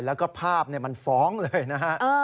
แล้วก็ภาพมันฟ้องเลยนะฮะ